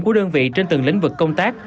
của đơn vị trên từng lĩnh vực công tác